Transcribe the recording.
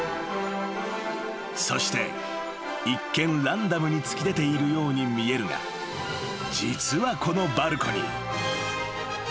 ［そして一見ランダムに突き出ているように見えるが実はこのバルコニー］